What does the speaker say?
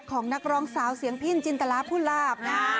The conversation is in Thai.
นักร้องสาวเสียงพินจินตราผู้ลาบนะ